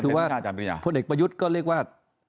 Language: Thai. คือว่าพลเอกประยุทธ์ก็เรียกว่า